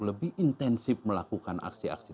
lebih intensif melakukan aksi aksi